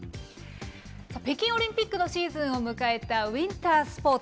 北京オリンピックのシーズンを迎えたウインタースポーツ。